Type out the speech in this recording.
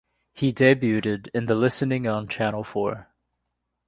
He debuted in The Listening on Channel Four.